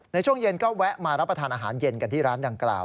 ในช่วงเย็นก็แวะมารับประทานอาหารเย็นกันที่ร้านดังกล่าว